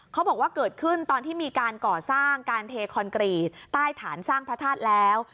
เขาบอกว่าเกิดขึ้นตอนที่มีการก่อสร้างการเทคอนกรีตใต้ฐานสร้างพระธาตุแล้ว